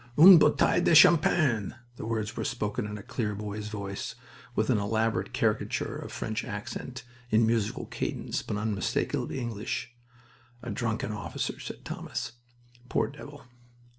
"Une bouteille de champagne!" The words were spoken in a clear boy's voice, with an elaborate caricature of French accent, in musical cadence, but unmistakably English. "A drunken officer," said Thomas. "Poor devil!"